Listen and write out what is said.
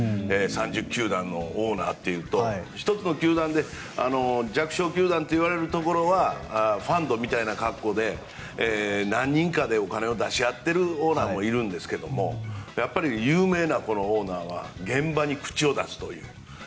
３０球団のオーナーというと１つの球団で弱小球団といわれるところはファンドみたいな格好で何人かでお金を出し合っているオーナーもいるんですがやっぱり有名なオーナーは現場に口を出すという。